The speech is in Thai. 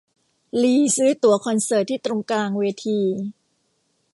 ลีซื้อตั๋วคอนเสิร์ตที่ตรงกลางเวที